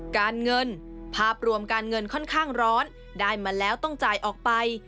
การเงินภาพรวมการเงินค่อนข้างร้อนได้มาแล้วต้องจ่ายออกไป